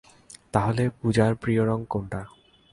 তাহলে পুজার প্রিয় রঙ কোনটা?